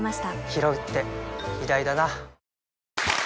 ひろうって偉大だな